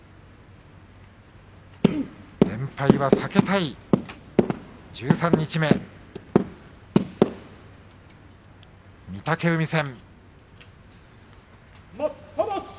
連敗は避けたい十三日目御嶽海戦。